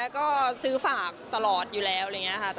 ก็ซื้อฝากตลอดอยู่แล้วอะไรอย่างนี้ค่ะ